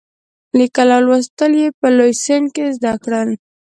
لیکل او لوستل یې په لوی سن کې زده کړل.